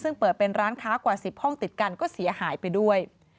ซึ่งเปิดเป็นร้านค้ากว่า๑๐ห้องติดกันก็เสียหายไปด้วย